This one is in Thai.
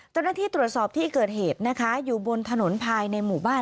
เจ้าหน้าที่ตรวจสอบที่เกิดเหตุนะคะอยู่บนถนนภายในหมู่บ้าน